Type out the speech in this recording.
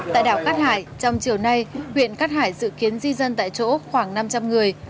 tại đảo cát hải trong chiều nay huyện cát hải dự kiến di dân tại chỗ khoảng năm trăm linh người